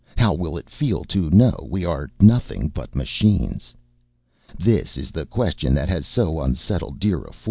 How will it feel to know we are nothing but machines? This is the question that has so unsettled DIRA IV.